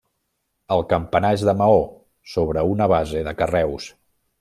El campanar és de maó, sobre una base de carreus.